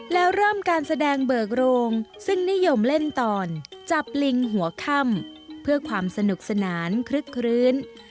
แล้วเริ่มการแสดงเบิกโรงซึ่งนิยมเล่นตอนจับลิงหัวค่ำเพื่อความสนุกสนานคลึกคลื้น